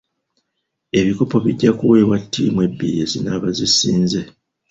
Ebikopo bijja kuweebwa ttiimu ebbiri ezinaaba zisinze.